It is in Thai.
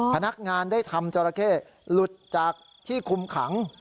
พนักงานได้ทำจราเข้หลุดจากที่คุมขัง